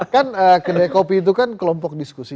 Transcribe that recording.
kan kedai kopi itu kan kelompok diskusi